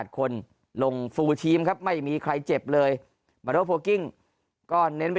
คนลงฟูลทีมครับไม่มีใครเจ็บเลยมาโดโฟกิ้งก็เน้นไป